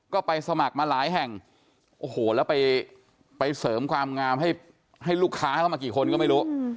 ก็ไปสมัครมาหลายแห่งโอ้โหแล้วไปเสริมความงามให้ลูกค้าเข้ามากี่คนก็ไม่รู้